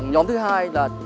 nhóm thứ hai là